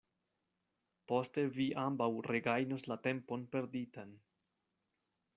Poste vi ambaŭ regajnos la tempon perditan.